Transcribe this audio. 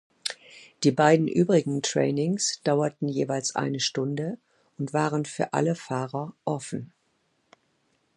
Die beiden übrigen Trainings dauerten jeweils eine Stunde und waren für alle Fahrer „offen“.